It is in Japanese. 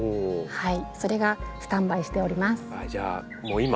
はい。